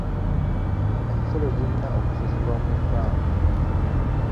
Emisolo girina kusasulwa mu bbanka.